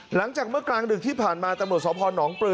หลังจากเมื่อกลางดึกที่ผ่านมาตำรวจสพนปลือ